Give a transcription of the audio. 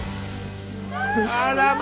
あらまあ。